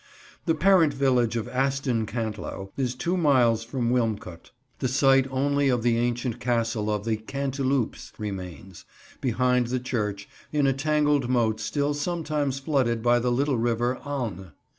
The parent village of Aston Cantlow is two miles from Wilmcote. The site only of the ancient castle of the Cantilupes remains, behind the church, in a tangled moat still sometimes flooded by the little river Alne.